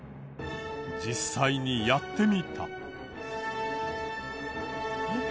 実際にやってみた。